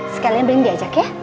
sekalian bening diajak ya